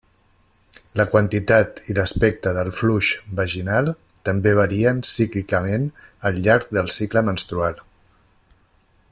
La quantitat i l'aspecte del fluix vaginal també varien cíclicament al llarg del cicle menstrual.